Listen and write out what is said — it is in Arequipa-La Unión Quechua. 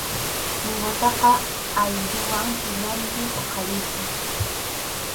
Kinwataqa ayriway killapim huqariyku.